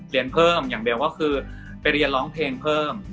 เรียนเพิ่มอย่างเดียวก็คือไปเรียนร้องเพลงเพิ่ม